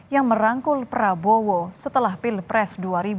yang merangkul prabowo setelah pilpres dua ribu sembilan belas